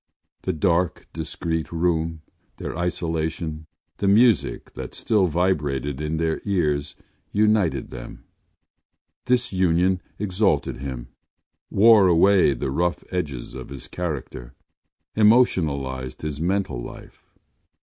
The dark discreet room, their isolation, the music that still vibrated in their ears united them. This union exalted him, wore away the rough edges of his character, emotionalised his mental life.